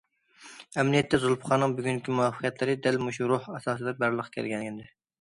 ئەمەلىيەتتە زۇلپىقارنىڭ بۈگۈنكى مۇۋەپپەقىيەتلىرى دەل مۇشۇ روھ ئاساسىدا بارلىققا كەلگەنىدى.